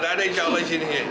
gak ada insya allah sini